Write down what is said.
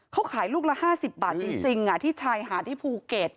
เขาขายลูกละ๕๐บาทจริงที่ชายหาดที่ภูเก็ต